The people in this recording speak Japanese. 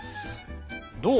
どう？